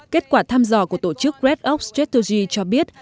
kết quả tham dò của tổ chức red ops strategy cho biết